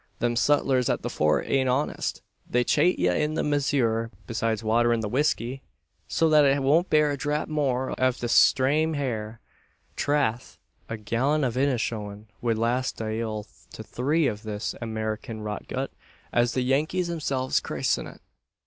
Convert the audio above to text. Them sutlers at the Fort aren't honest. They chate ye in the mizyure; besides watherin' the whisky, so that it won't bear a dhrap more out av the strame hare. Trath! a gallon av Innishowen wud last ayqual to three av this Amerikin rotgut, as the Yankees themselves christen it."